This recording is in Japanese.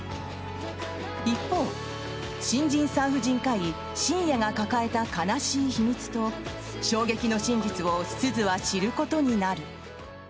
一方新人産婦人科医・深夜が抱えた悲しい秘密と衝撃の真実を鈴は知ることになる。